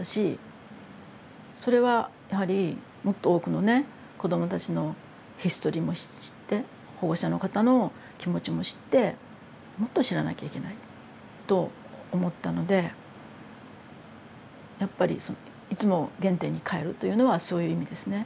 それはやはりもっと多くのね子どもたちのヒストリーも知って保護者の方の気持ちも知ってもっと知らなきゃいけないと思ったのでやっぱりいつも原点にかえるというのはそういう意味ですね。